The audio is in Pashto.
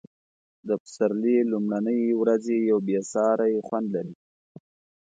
د پسرلي لومړنۍ ورځې یو بې ساری خوند لري.